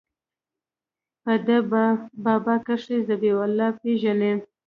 په ده بابا کښې ذبيح الله پېژنې.